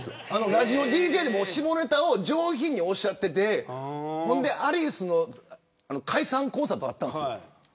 ラジオＤＪでも下ネタを上品におっしゃっていてアリスの解散コンサートがあったんです。